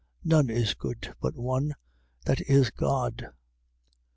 None is good but one, that is God.